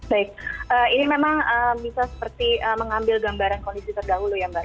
baik ini memang bisa seperti mengambil gambaran kondisi terdahulu ya mbak